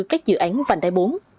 các dự án vành đai bốn